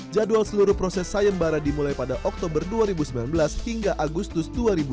jadwal seluruh proses sayembara dimulai pada oktober dua ribu sembilan belas hingga agustus dua ribu dua puluh